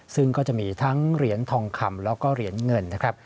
ซึ่งก็จะมีทั้งเหรียญทองคำแล้วก็เหรียญเงินนะครับ